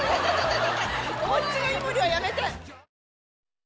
こっちの井森はやめて！